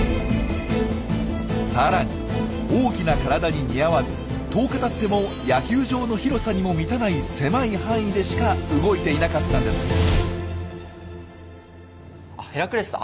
さらに大きな体に似合わず１０日たっても野球場の広さにも満たない狭い範囲でしか動いていなかったんです。